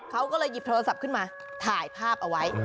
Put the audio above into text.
เขาก็เลยหยิบโทรศัพท์ขึ้นมาถ่ายภาพเอาไว้